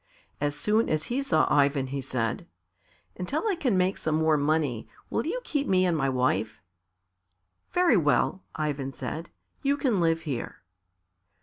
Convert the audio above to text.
As soon as he saw Ivan he said, "Until I can make some more money, will you keep me and my wife?" "Very well," Ivan said. "You can live here."